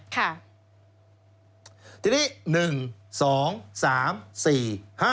ทีนี้๑